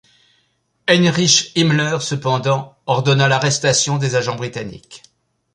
Heinrich Himmler, cependant, ordonna l'arrestation des agents britanniques.